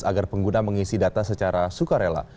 agar pengguna mengisi data secara sukarela